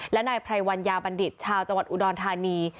และนายไพรวัญญาบัณฑิตชาวจังหวัดอุดรธานี